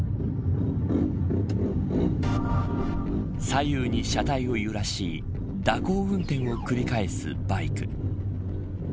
左右に車体を揺らし蛇行運転を繰り返すバイク。